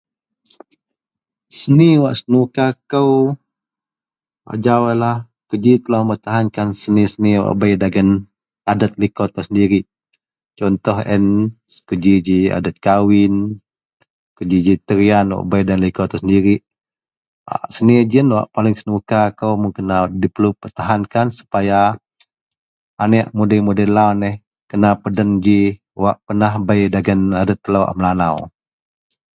Seni wak senuka kou ajau ialah kuji telo bak mempertahankan seni-seni wak bei dagen adet dagen. liko telo sendirik contoh ien kuji ji adet kawin, kuji ji tarian wak bei dagen liko telo sendirik seni ji yen wak paling senuka kou mun kena diperlu dipertahankan supaya anek mudei-mudei lau neh kena peden ji wak pernah bei dagen adet telo a Melanau.